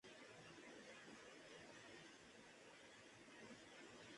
Ella estaba asociada con el pensamiento de los arquitectos de izquierda.